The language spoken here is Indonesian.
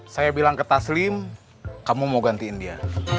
saya bilang ke tas lim kamu mau gantiin dia